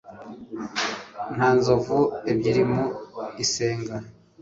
nta nzovu ebyiri mu isenga